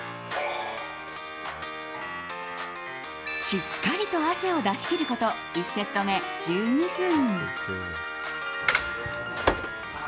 しっかりと汗を出し切ること１セット目１２分。